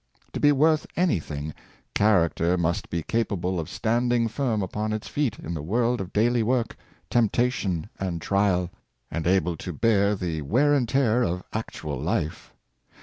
To be worth any thing, character must be capable of standing firm upon its feet in the world of daily work, temptation and trial; and able to bear the wear and tear of actual life.